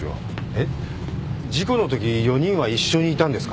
えっ？事故のとき４人は一緒にいたんですか？